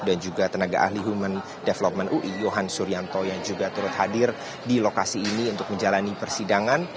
dan juga tenaga ahli human development ui yohan suryanto yang juga turut hadir di lokasi ini untuk menjalani persidangan